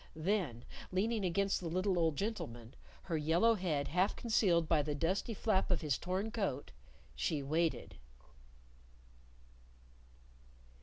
Then leaning against the little old gentleman, her yellow head half concealed by the dusty flap of his torn coat, she waited.